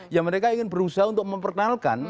ya mereka ingin berusaha untuk memperkenalkan